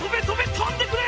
とんでくれ！